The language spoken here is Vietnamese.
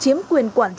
chiếm quyền quản lý